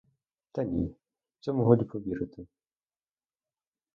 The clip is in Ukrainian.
Та ні, цьому годі повірити.